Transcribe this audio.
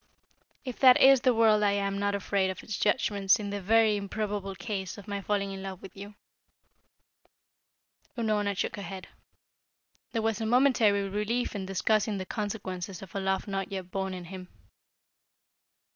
If that is the world I am not afraid of its judgments in the very improbable case of my falling in love with you." Unorna shook her head. There was a momentary relief in discussing the consequences of a love not yet born in him.